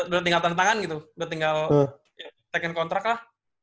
udah tinggal tantangan gitu udah tinggal ya take in contract lah